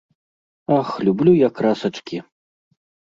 Ах, люблю я красачкі!